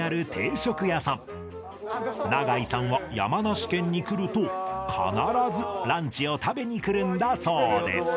永井さんは山梨県に来ると必ずランチを食べに来るんだそうです